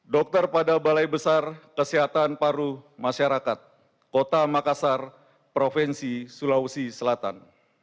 dokter pada balai besar kesehatan paru masyarakat kota makassar provinsi sulawesi selatan